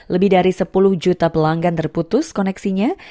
lebih dari sepuluh juta pelanggan terputus koneksinya